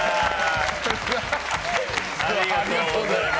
ありがとうございます。